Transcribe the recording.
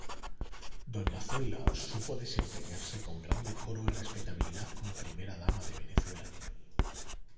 Doña Zoila supo desempeñarse con gran decoro y respetabilidad como primera dama de Venezuela.